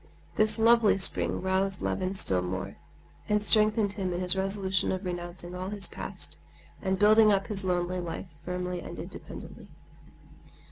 This lovely spring roused Levin still more, and strengthened him in his resolution of renouncing all his past and building up his lonely life firmly and independently.